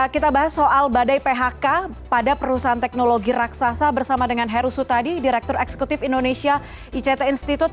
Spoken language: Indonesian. kita bahas soal badai phk pada perusahaan teknologi raksasa bersama dengan heru sutadi direktur eksekutif indonesia ict institute